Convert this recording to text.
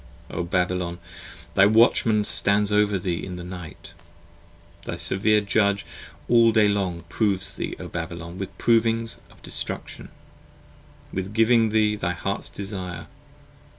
O Babylon, thy Watchman stands over thee in the night, Thy severe Judge all the day long proves thee, O Babylon, With provings of destruction, with giving thee thy hearts desire.